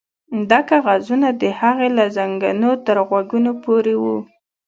دا کاغذونه د هغې له زنګنو تر غوږونو پورې وو